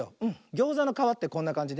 ギョーザのかわってこんなかんじね。